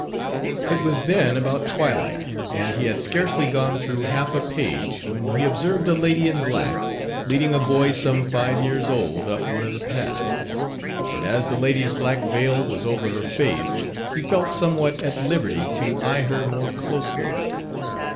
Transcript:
It was then about twilight, and he had scarcely gone through half a page, when he observed a lady in black, leading a boy some five years old up one of the paths; and as the lady's black veil was over her face, he felt somewhat at liberty to eye her more closely.